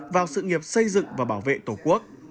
vào sự nghiệp xây dựng và bảo vệ tổ quốc